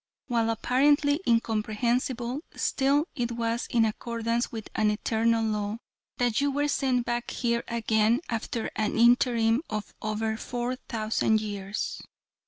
While apparently incomprehensible, still it was in accordance with an eternal law, that you were sent back here again after an interim of over tour thousand years.